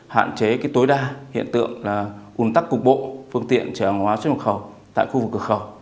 hạn chế tối đa hiện tượng là ủn tắc cục bộ phương tiện chở hàng hóa xuất nhập khẩu tại khu vực cửa khẩu